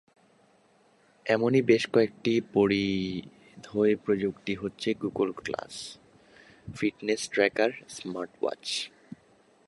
এমনই বেশ কয়েকটি পরিধেয় প্রযুক্তি হচ্ছে Google glass, fitness tracker, smartwatch.